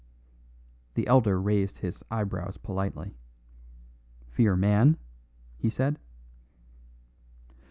The elder raised his eyebrows politely. "Fear man?" he said.